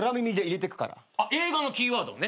映画のキーワードをね。